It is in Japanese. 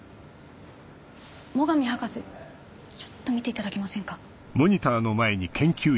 最上博士ちょっと見ていただけませんか？